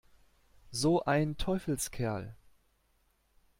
So ein Teufelskerl!